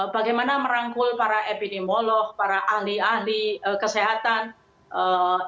bagaimana merangkul para epidemiolog para ahli ahli kesehatan dan warga ekonomi dan kemampuan teknologi dan kemampuan teknologi